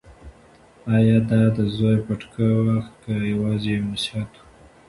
ایا دا د زوی پټکه وه که یوازې یو نصیحت و؟